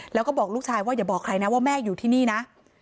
แล้วก็บอกลูกชายว่าอย่าบอกใครนะว่าแม่อยู่ที่นี่นะ